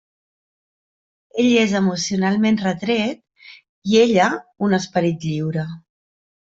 Ell és emocionalment retret i ella un esperit lliure.